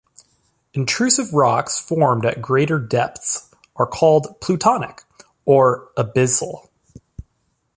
Intrusive rocks formed at greater depths are called plutonic or "abyssal".